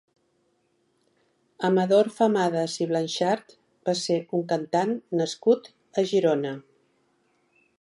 Amador Famadas i Blanxart va ser un cantant nascut a Girona.